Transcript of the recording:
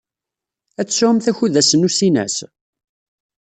Ad tesɛumt akud ass n usinas?